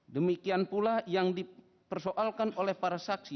demikian pula yang dipersoalkan oleh para saksi